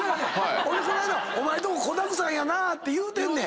俺この間お前んとこ子だくさんやなって言うてんねん。